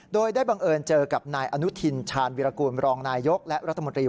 โดยได้บังเอิญเจอกับนายอนุทินชาญวิรากูลรองนายยกและรัฐมนตรี